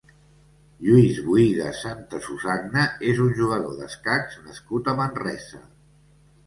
Lluís Bohigas Santasusagna és un jugador d'escacs nascut a Manresa.